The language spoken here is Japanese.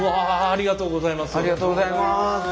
ありがとうございます。